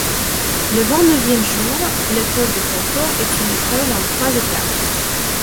Le vingt-neuvième jour, l'épreuve de confort est une épreuve en trois étapes.